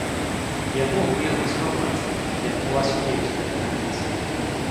Я мог бы яго схаваць, як у вас умеюць гэта рабіць.